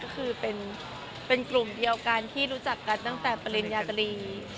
ก็คือเป็นกลุ่มเดียวกันที่รู้จักกันตั้งแต่ปริญญาตรี